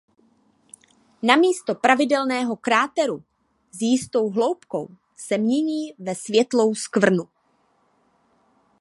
Namísto pravidelného kráteru s jistou hloubkou se mění ve světlou skvrnu.